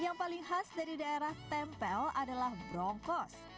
yang paling khas dari daerah tempel adalah broncos